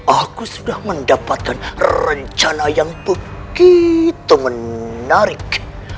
aku sudah mendapatkan rencana yang begitu menarik